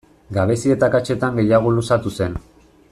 Gabezi eta akatsetan gehiago luzatu zen.